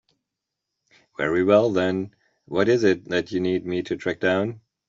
Very well then, what is it that you need me to track down?